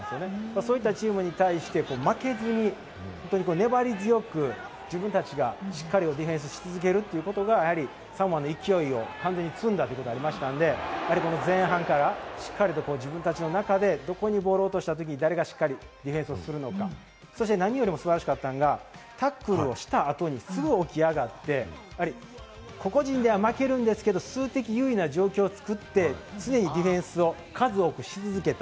そういったチームに対して、負けずに粘り強く、自分たちがしっかりディフェンスし続けるということがサモアの勢いを完全につんだということになりましたので、前半から自分たちの中でどこにボールを落としたときに誰がディフェンスをするのか、何よりも素晴らしかったのが、タックルをした後にすぐ起き上がって、個々人では負けるんですけど数的優位な状況を作って、常にディフェンスを数多くし続けた。